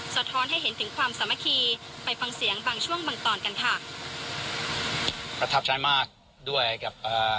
สะท้อนให้เห็นถึงความสามัคคีไปฟังเสียงบางช่วงบางตอนกันค่ะประทับใจมากด้วยกับเอ่อ